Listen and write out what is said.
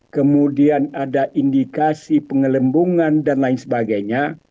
kemudian ada indikasi pengelembungan dan lain sebagainya